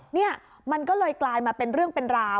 นี่มันก็เลยกลายมาเป็นเรื่องเป็นราว